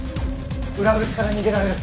裏口から逃げられる。